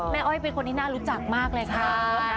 อ้อยเป็นคนที่น่ารู้จักมากเลยค่ะ